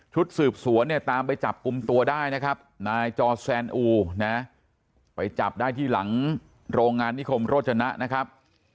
สืบสวนเนี่ยตามไปจับกลุ่มตัวได้นะครับนายจอแซนอูนะไปจับได้ที่หลังโรงงานนิคมโรจนะนะครับ